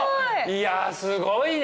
いやすごいね。